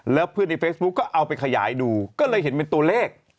แล้วเพื่อนในเฟซบุ๊กก็เอาไปขยายดูก็เลยเห็นเป็นตัวเลข